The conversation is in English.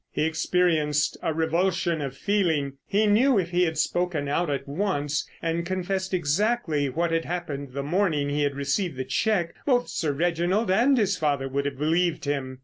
He experienced a revulsion of feeling. He knew if he had spoken out at once and confessed exactly what had happened the morning he had received the cheque, both Sir Reginald and his father would have believed him.